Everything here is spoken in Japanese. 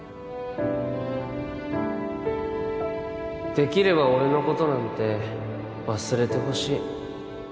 できれば俺のことなんて忘れてほしい